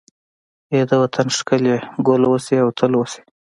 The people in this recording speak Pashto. ای د وطن ښکليه، ګل اوسې او تل اوسې